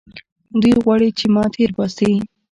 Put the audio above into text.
دوى غواړي چې ما تېر باسي.